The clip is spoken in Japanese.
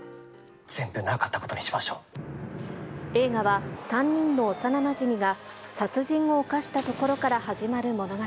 全部なかったことにしましょ映画は、３人の幼なじみが殺人を犯したところから始まる物語。